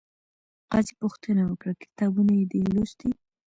قاضي پوښتنه وکړه، کتابونه یې دې لوستي؟